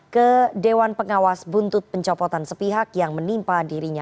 ke dewan pengawas buntut pencopotan sepihak yang menimpa dirinya